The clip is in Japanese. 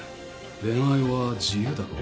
恋愛は自由だろ？